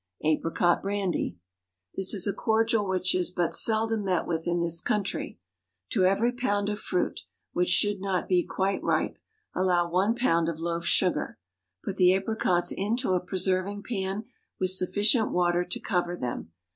Apricot Brandy. This is a cordial which is but seldom met with in this country. To every pound of fruit (which should not be quite ripe) allow one pound of loaf sugar. Put the apricots into a preserving pan, with sufficient water to cover them.